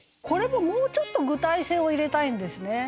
これももうちょっと具体性を入れたいんですね。